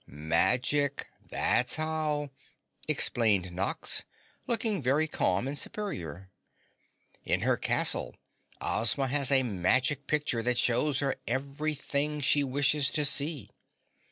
"Magic, that's how!" explained Nox, looking very calm and superior. "In her castle Ozma has a magic picture that shows her everything she wishes to see."